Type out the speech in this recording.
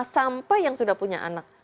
sampai yang sudah punya anak